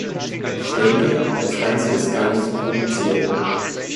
Ich denke, das Ganze ist gar nicht so kompliziert.